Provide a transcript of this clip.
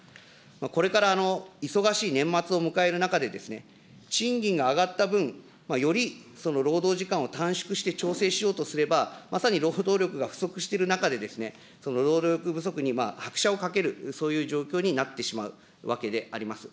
これから忙しい年末を迎える中で、賃金が上がった分、より労働時間を短縮して調整しようとすれば、まさに労働力が不足している中で、その労働力不足に拍車をかける、そういう状況になってしまうわけであります。